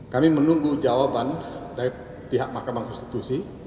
kami menunggu jawaban dari pihak mahkamah konstitusi